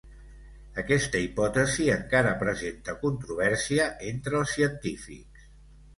Aquesta hipòtesi encara presenta controvèrsia entre els científics.